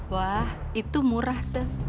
wah itu murah sis